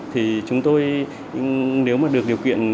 thì chúng tôi nếu mà được điều kiện